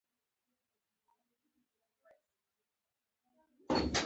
سندره د قوم هویت ښيي